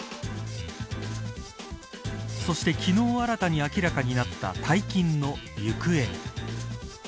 そして、昨日新たに明らかになった大金の行方。